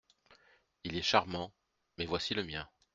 Il est charmant ! mais voici le mien.